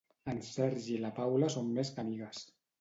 En Sergi i la Paula són més que amigues.